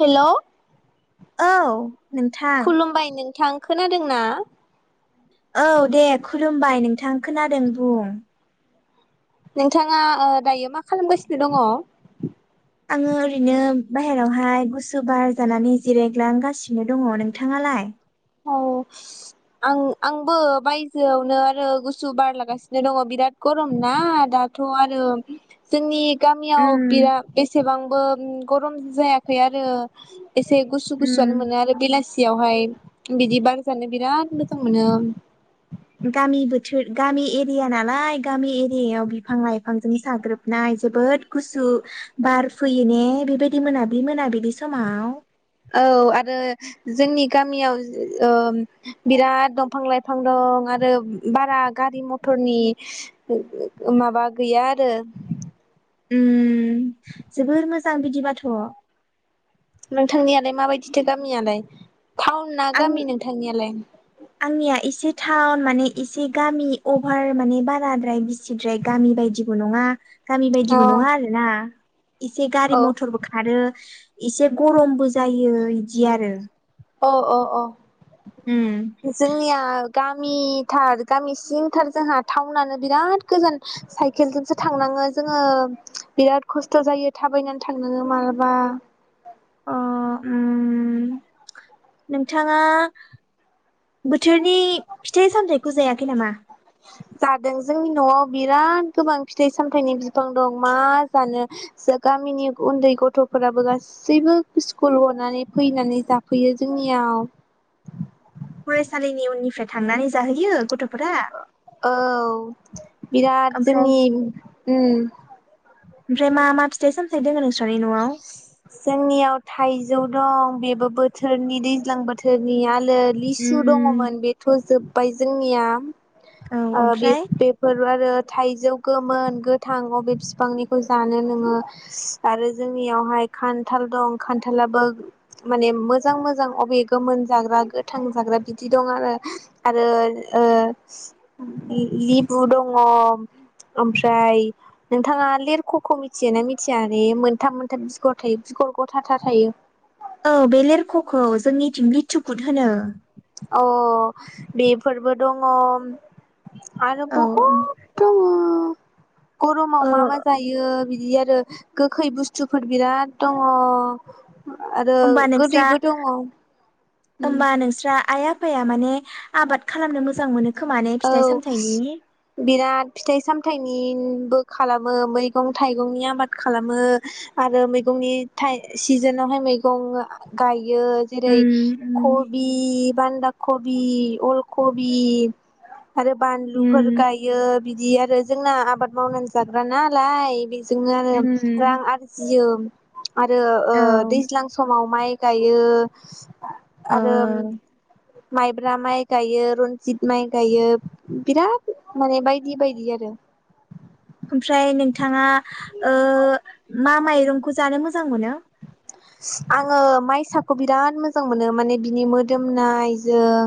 हेल' औ नोंथां खोनादों ना? औ दे खुलुमबाय नोंथां खोनादों बुं। नोंथाङा ओ दायो मा खालामगासिनो दङ? आङो ओरैनो बाहेरावहाय गुसु बार जानानै जिरायग्लांगासिनो दङ। नोंथाङालाय? औ आं आंबो बायजोआवनो आरो गुसु बारलागासिनो दङ बिराद गरम ना दाथ' आरो जोंनि गामियाव उम बिराद बेसेबांबो ओम गरम जायाखै आरो। एसे गुसु गुसुआनो उम मोनो आरो बेलासियावहाय बिदि बार जानो बिराद मोजां मोनो। गामि बोथोर गामि एरिया नालाय गामि एरियायाव बिफां लाइफांजों साग्रोबनाय जोबोद गुसु बार फैयो ने बेबायदि मोनाबिलि मोनाबिलि बि समाव। औ आरो जोंनि गामियाव ओ बिराद दंफां लाइफां दं आरो बारा गारि मथरनि माबा गैया आरो उम जोबोर मोजां बिदिबाथ'। नोंथांनियालाय माबायदिथो गामियालाय? टाउन ना आं गामि नोंथांनियालाय आंनिया एसे थावन माने एसे गामि अभार माने बाराद्राय बिसिद्राय गामि बायदिबो नङा। गामि अ बायदिबो नङा औ आरो ना? एसे गारि मथरबो खारो एसे गरमबो जायो बिदि आरो। औ औ औ उम जोंनिया गामिथार गामि सिंथार जोंहा टाउनानो बिराद गोजान साइकेलजोंसो थांनाङो जोङो बिराद खस्थ' जायो थाबायनानै थांनाङो मालाबा। अ उम नोंथाङा बोथोरनि फिथाइ सामथाय जायाखै नामा? जादों जोंनि न'आव बिराद गोबां फिथाइ सामथाइनि बिफां दं मा जानो जा गामिनि उन्दै गथ'फोराबो गासैबो स्कुल गनानै फैनानै जाफैयो जोंनियाव। फरायसालिनि उननिफ्राय थांनानै जाहैयो गथ' औ बिराद ओमफ्राय जोंनि उम ओमफ्राय मा मा फिथाइ सामथाय दों नों जोंनियाव थाइजौ दं बेबो बोथोरनि दैज्लां बोथोरनिया लिसु उम दङमोन बेथ' जोब बाय जोंनिया। औ ओ बे ओमफ्राय बेेफोर आरो थाइजौ गोमोन गोथां अबे बिफांनिखौ जानो नोङो आरो जोंनियावहाय खान्थाल दं खान्थालाबो माने मोजां मोजां अबे गोमोन जाग्रा गोथां जाग्रा बिदि दं आरो ओ आरो लिबु दङ ओमफ्राय नोंथाङा लिरख'खौ मिथियोना मिथिया? मोनथाम मोनथाम सिखर थायो सिखर ग थाथा थायो। औ बे लेरख'खौ जोंनिथिं लिथिखुद होनो। अ बेफोरबो दङ आरो औ बहुद दङ गरमाव ओ मा मा जायो बिदि आरो गोखै बुस्थुफोर बिराद दङ। आरो होमबा नोंस्रा गोदैबो दङ उम होमबा नोंस्रा आइ आफाया माने आबाद खालामनो मोजां मोनो। खोमा ने औ फिथाइ सामथाइनि बिराद फिथाइ सामथायाइनि। उं बो खालामो मैगं थाइगंनि आबाद खालामो आरो मैगंनि थाय सिजोनावहाय मैगं गाय। यो जेरै हो उम उम खबि बानदा। कबि अलकबि। आरो बानलुफोर उम गायो। बिदि आरो जोंना आबाद मावनानै जाग्रा नालाय बि। जोङो आरो रां उम आरजियो। आरो ओ औ दैज्लां समाव माइ गायो। यो। आ ओ आरोम। माइब्रा माइ गायो रनजित। माइ गायो बिराद माने बायदि बायदि आरो। ओमफ्राय नोंथाङा हो ओ मा माइ। रंखौ जानो मोजां मोनो। आङो माइसाखौ बिराद मोजां मोनो माने बिनि मोदोमनायजों।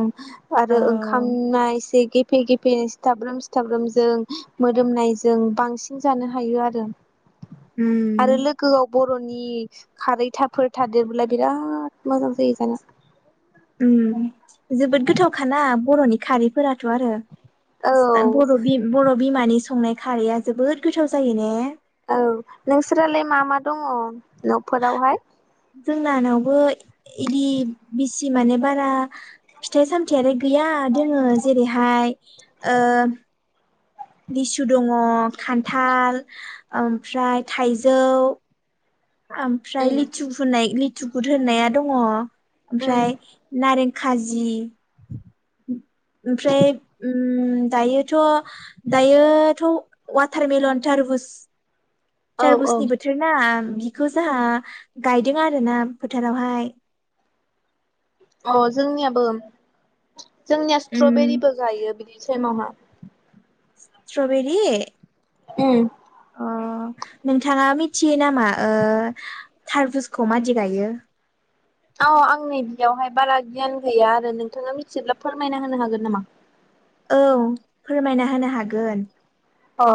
औ आरो ओंखाम मा एसे गेफे गेफे। बे सिथाब्रोम सिथाब्रोमजों हो मोदोमनायजों बांसिन जानो हायो आरो। उम आरो लोगोआव बर'नि। खारै थाफोर थादेरबोलाय बिराद मोजां जायो जानो। जोबोद गोथावखाना बर'नि खारैफोराथ' आरो। औ सिथा बर' बि बर' बिमानि संनाय। खारैया जोबोद गोथाव जायो ने। औ नोंसोरालाय मा मा दङ नफोरावहाय। जोंनानावबो इदि बिसि माने बारा फिथाइ सामथायालाय। गैया दोङो जेरैहाय ओम। लिसु दङ खान्थाल ओमफ्राय थाइजौ। आमफ्राय लिथु हुनाय लिथ। थुगुद होननाया दङ। ओमफ्राय नारें। खाजि ओमफ्राय उम दायोथ दायोथ वाटारमेलन थार बुस। औ सार औ बुसनि बोथोर ना। बिखौ जोंहा गायदों आरो ना फोथारावहाय। अ जोंनियाबो। जोंनिया उम स्ट्रबेरिबो गायो बि। बिसेमावहा स्ट्रबेरि उम अ नोंथाङा मिथियो नामा मा ओ टारभुसखौ मादि गायो औ आंनि बियावहाय बारा गियान गैया आरो नोंथांङा मिथिब्ला फोरमायना होनो हागोन नामा औ फोरमायना होनो हागोन अ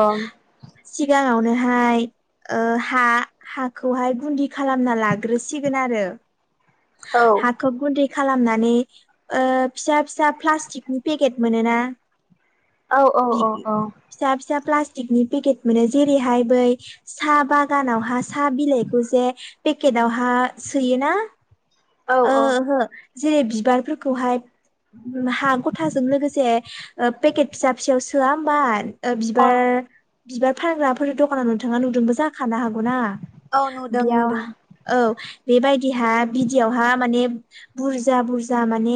सिगाङावनो हाय ओ हा हाखौहाय गुनदि खालामना लाग्रोसिगोन आरो औ हाखो गुन्दै खालामनानै ओ फिसा फिसा प्लास्टिकनि पेकेट मोनोना औ औ बि औ औ फिसा फिसा प्लास्टिकनि पेकेट मोनो जेरैहाय बै साहा बागानावहा साहा बिलाइखौ जे पेकेटावहा सोयोना औ ओ औ ओहो जेरै बिबारफोरखौहाय हा गथाजों लोगोसे ओ पेकेट फिसा फिसायाव सोआ होमबा ओ अ बिबार बिबार फानग्राफोर दं फन नोंथाङा नुदोंबो जाखानो हागौना औ नुदों बेयाव नुदों औ बेबायदि बिहा बिदि गुदियावहा माने बुरजा बुरजा माने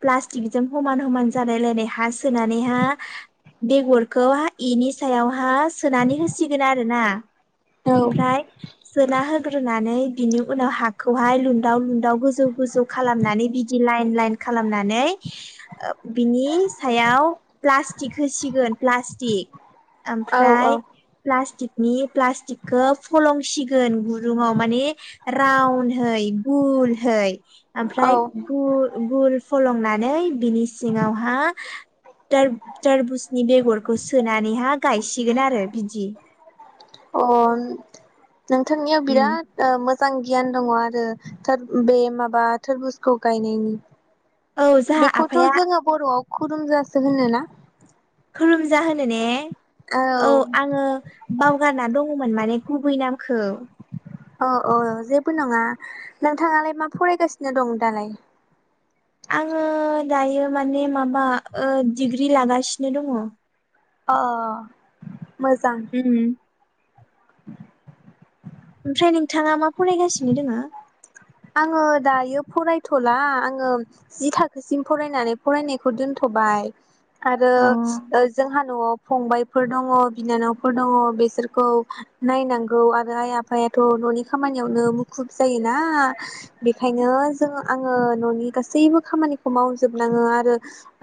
प्लाटिक जों समान समान जालाय लायनाय हा सोनानै हा बेगरखौ इनि सायावहा सोनानै होसिगोन आरोना औ ओमफ्राय सोना होग्रोनानै बिनि उनाव हाखौहाय लु दाउ लुनदाव गोजौ गोजौ खालामनानै बिदि लाइन लाइन खालामनानै ओ बिनि सायाव प्लास्टिक होसिगोन प्लास्टिक औ औ ओमफ्राय प्लास्टिक नि प्लास्टिकखौ फलंसिगोन गुरुंङाव माने राउन्है गुलहै औ ओमफ्राय गु गुल फलंनानै नै बिनि सिङावहा तो तोरबुजनि बेगरखौ सोनानैहा गायसिगोन आरो बिदि अहन नोंथांनियाव उम बिराद ओ मोजां गियान दङ आरो थोर बे माबा थोरबुजखौ गायनायनि औ जाहा बेखौथ आफाया जोङो बर'आव खुुरुम जासो होनोना खलुम जा होनो ने औ आङो बावगारना दं दंमोन माने गुबै नामखौ औ औ जेबो नङा नोंथाङालाय मा फरायगासिनो दं दालाय आङो दायो माने माबा ओ डिग्रि लागासिनो दङ अ मोजां उम [unintelligible] ओमफ्राय नोंथाङा मा फरायगासिनो दोङो आङो दायो फरायथ'ला आङो जि थाखोसिम फरायनानै फरायनायखौ दोनथ'बाय आरो अ ओ जोंहा न'आव फंबायफोर दङ बिनानावफोर दङ बेसोरखौ नायनांगौ आरो आइ आफायाथ' न'नि खामानियावनो मुखुब जायोना बेखायनो जों आङो न'नि गासैबो खामानिखौ मावजोबनाङो आरो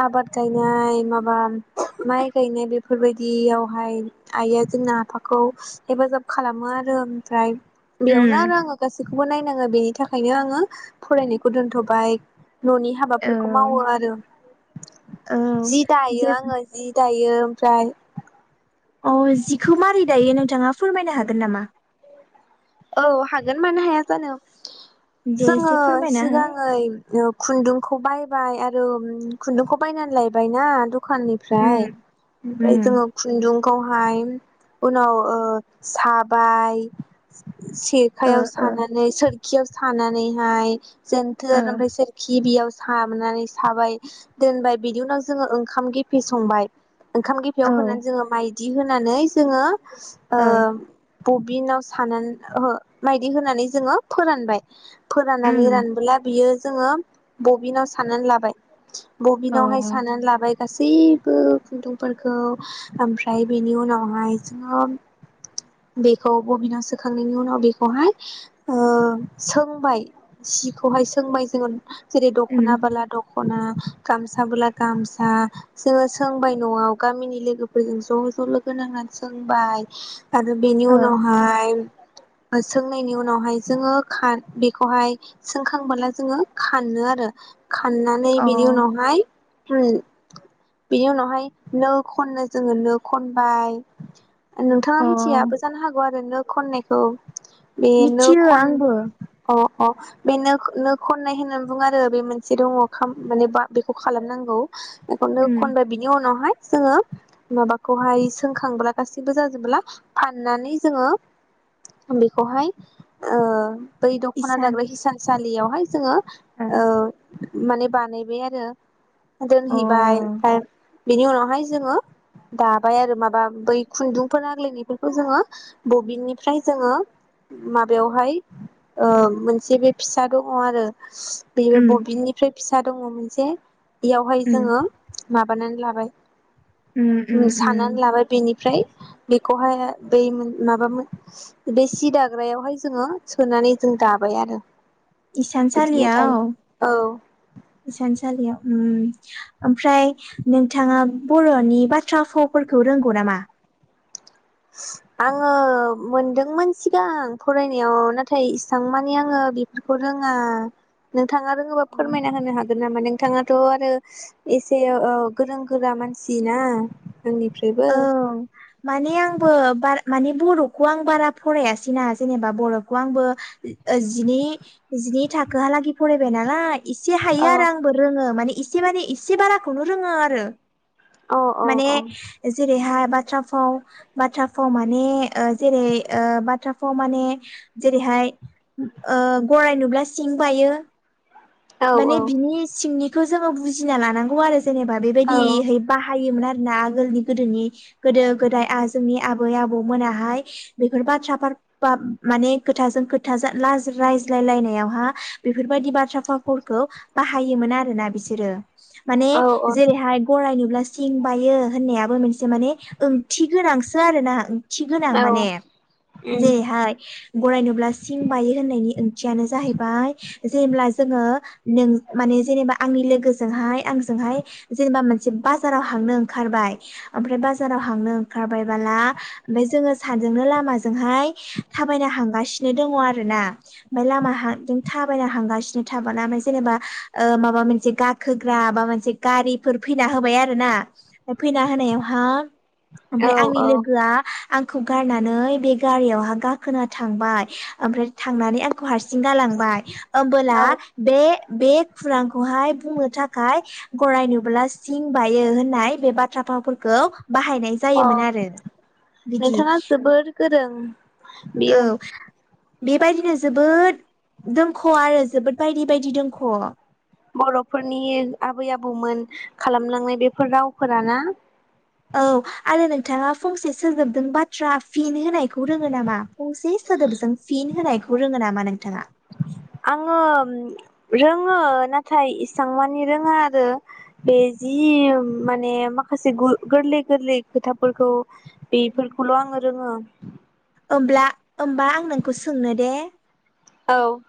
आबाद गायनाय माबा माइ गायनाय बेफोरबायदियावहाय आइआ जोंना आफाखौ हेफाजाब खालामो आरो ओमफ्राय बेयावनो उम आरो आङो गासैखौबो नायनाङो बेनि था ओंखायनो आङो फरायनायखौ दोनथ'बाय न'नि औ हाबाफोरखौ मावो आरो औ जि जे दायो आङो जि दायो ब्राय अ जिखौ मारै दायो नोंथाङा फोरमायनो हागोन नामा औ हागोन मानो हाया जानो दे जोङो एसे फोरमायना हो सिगाङै ओ खुन्दुंखौ बायबाय आरो ओम खुन्दुंखौ बायनानै लायबाय ना दख दखाननिफ्राय उम ओमफ्राय उम जोङो खुुंन्दुं खौहाय उनाव ओ साबाय [inaudible] ओ सेखायाव ओ सानानै सोर खियाव सानानैहाय जेनथोर ओमफ्राय सोरखि बेयाव हाबनानै साबाय दोनबाय बिनि उनाव जोङो ओंखाम गेफे संबाय ओंखाम गेफेयाव ओ होनानै जोङो माइ दि होनानै जोङो ओ बबिननाव सानानै ओहो मायदि होनानै जोङो फोरानबाय फोराननानै उम रानबोला बियो जोङो बबिनाव साननानै लाबाय अ बबिनावहाय साननानै लाबाय गासैबो खुन्दुंफोरखौ ओमफ्राय बेनि उनावहाय सो बेखौ बबिनाव सा सोखांनायनि उनाव बेखौहाय सोंबाय सिखौहाय सोंबाय जोङो जेरै उम दख'ना बला दख ख'ना गामसाबोला गामसा जोंङो सोंबाय न'आव गामिनि लोगोफोरजों ज' ज' लोगो नांनानै सोंबाय। आरो बिनि ओ उनावहाय ओसोंनायनि उनावहाय जोंङो बेखौहाय सोंखांबोला जोंङो खानो आरो। खाननानै अ बिनि उनावहाय फ्रये बिनि उनावहाय नो खननो जोंङो नो खनबाय ओ नोंथांङा अ मिथियाबो जानो हागौ आरो नो खननाय खौ बे नो मिथियो खन आंबो अ अ बे नो-नो खननाय होननानै बुं आरो बे मोनसे दंङ खाम माने बा बेखौ खालामनांगौ। बेखौ नो खनबाय बिनि उनावहाय जोंङो माबाखौहाय सोंखांब्ला गासैबो जाजोबब्ला फाननानै जोंङो बेखौहाय बै दख'ना इसान दाग्रा हिसान स सालियावहाय जोंङो ओ औ माने बानायबाय आरो। अ दोनहैबाय ओमफ्राय बेनि उनावहाय जोंङो दाबाय आरो माबा बै खुन्दुंफोर आग्लायनायफोरखौ जोंङो ब बिनि फ्राय जोंङो माबायावहाय ओ मोनसे बे फिसा दंङ आरो बेयो उम बबेनिफ्राय फिसा दंङ मोनसे बेयावहाय उम जोंङो माब बानान लाबाय उम साननानै लाबाय बेनि फ्राय बेखौहाय दैमोन माबामो बे सि दाग्रायावहाय जोंङो सोनानै जों दाबाय आरो। बिदिनो दायो इसानसालियाव औ इसानसालियाव उम ओमफ्राय नोंथांङा बर'नि बाथ्रा खावफोरखौ रोंगौ नामा? आंङो मोनदोंमोन सिगां फरायनायाव नाथाय इसेबां मानि आंङो बेफोरखौ रोंङा नों थांङा रोंङोबा अ, फोरमायना होनो हाग गोन नामा नोंथाङाथ' आरो एसे गोरों गोरा मानसि ना आंनिफ्रायबो औ माने आंबो बार माने बर'खौ आं बारा फरायासैना जेनेबा बर'खौ आंबो ओ जिनि जिनि थाखोहालागि फरायबाय नालाय इसे हायो औ आरो आंबो रोङो माने इसे माने इसे बाराखौनो रोङो आरो। औ माने औ जेरैहाय बाथ्रा फाव बाथ्रा फाव माने ओ जेरै ओ बाथ्रा फाव माने जेरैहाय ओ गराय नुब्ला सिं बायो औ माने बिनि सिंनि बखौ जोङो बुजिना लानांगौ आरो। जेनेबा औ बेबायदिहै बाहायोमोन आरो। ना आगोलनि गोदोनि गोदो गोदाय आ जोंनि आबै आबौमोनाहाय बेफोर बाथ्राफार बा माने खोथाजों खोथा जा-रायज्लायलायनायावहा बेफोरबायदि बाथ्रा फाव फरखौ बाहायोमोन आरोना बिसोरो। माने औ उम जेरैहाय गराय नुब्ला सिं बायो होननायाबो मोनसे माने ओंथि गोनांसो आरोना थि गोनां माने जेरैहाय गराय नु नुब्ला सिं बायो होननायनि ओंथियानो जाहैबाय जेब्ला जोङो नों माने जेनेबा आंनि लोगोजोंहाय आंजोंहाय जेनेबा मोनसे बाजाराव हाबनो ओंखारबाय आमफ्राय बाजाराव हाबनो ओंखारबाय बोला आमफाय जोङो सानजों लामाजोंहाय थाबायना थांगासिनो दङ आरोना आमफाय लामाथिं थाबायना थां [unintelligible] जेनेबा ओ माबा मोनसे गाखोग्रा बा मोनसे गारिफोर फैना होबाय आरो ना फैना होनायावहा औ ओमफ्राय आंनि औ लोगोआ आं खौ गारनानै बे गारियावहा गाखोना थांबाय ओमफ्राय थांनानै आंखौ हारसिं सिं गालांबाय ओमबोला बे बे खुरांखौहाय बुंनो थाखाय गराय नुबोला सिं बायो होननाय बे बाथ्रा फाव फोरखौ अ बिदि नोंथाङा जोबोर गोरों औ बियो बेबायदिनो जोबोद दोनख' आरो जोबोद बायदि बायदि दोख' बर'फोरनि आबै आबौमोन खालामलांनाय बेफोर रावफोरा ना औ आरो नोंथाङा फंसे सोदोबजों बाथ्रा फिन होनायखौ रोङो नामा नोंथाङा? आङो रोङो नाथाय इसां मानि रोङा आरो बे जि माने माखासे गु गोरलै गोरलै खोथाफोरखौ बेफोरखौल' आङो रोङो। ओब्ला ओमबा आं नोंखो सोंनो दे? औ